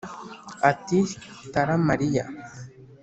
ati Tala-Mariya